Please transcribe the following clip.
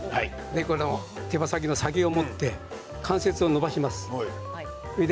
手羽先の先を持って関節を伸ばします。